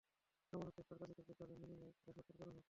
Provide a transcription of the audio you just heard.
আমরা চাই, সরকার শিক্ষকদের দাবি মেনে নিয়ে ক্লাস সচল করা হোক।